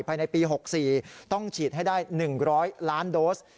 ภายในปี๖๔ต้องฉีดให้ได้๑๐๐ล้านโดส